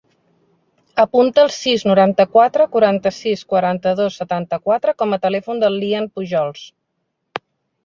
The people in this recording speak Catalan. Apunta el sis, noranta-quatre, quaranta-sis, quaranta-dos, setanta-quatre com a telèfon del Lian Pujols.